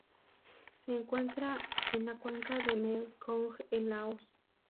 Se encuentra en la cuenca del Mekong en Laos.